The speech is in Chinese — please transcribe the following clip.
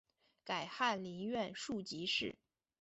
改翰林院庶吉士。